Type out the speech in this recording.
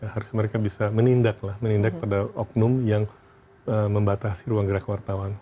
harus mereka bisa menindak lah menindak pada oknum yang membatasi ruang gerak wartawan